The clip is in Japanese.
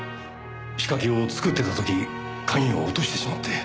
仕掛けを作ってた時鍵を落としてしまって。